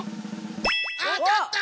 あたった！